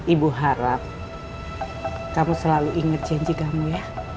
ibu harap kamu selalu ingat janji kamu ya